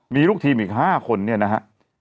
มีลูกทีมอีก๕คนเนี่ยนะฮะ